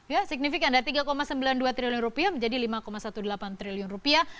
ya signifikan dari tiga sembilan puluh dua triliun rupiah menjadi lima delapan belas triliun rupiah